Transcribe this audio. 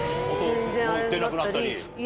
音出なくなったり。